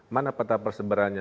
mana peta persebarannya